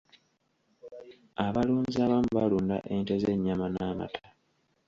Abalunzi abamu balunda ente z'ennyama n'amata.